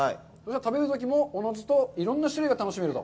食べるときもおのずといろんな種類が楽しめると。